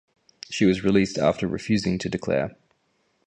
She was released after refusing to declare.